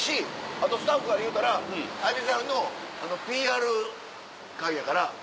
あとスタッフがいうたら『旅猿』のＰＲ回やから。